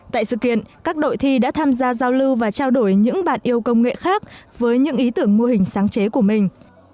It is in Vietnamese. tại sự kiện các đội thi đã tham gia giao lưu và trao đổi những bạn yêu công nghệ khác với những ý tưởng mô hình sáng chế của mình